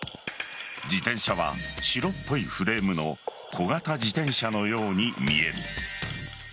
自転車は白っぽいフレームの小型自転車のように見える。